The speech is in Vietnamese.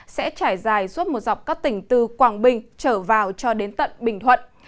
sẽ trải dài suốt một dọc các tỉnh từ quảng bình trở vào cho đến tận bình thuận